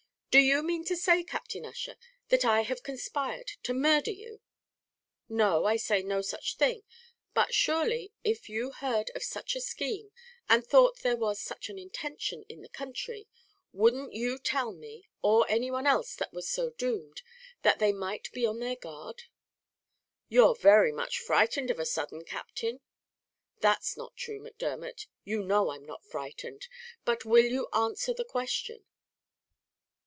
"Do you mean to say, Captain Ussher, that I have conspired to murdher you?" "No, I say no such thing; but surely, if you heard of such a scheme, or thought there was such an intention in the country, wouldn't you tell me, or any one else that was so doomed, that they might be on their guard?" "You're very much frightened on a sudden, Captain." "That's not true, Macdermot; you know I'm not frightened; but will you answer the question?"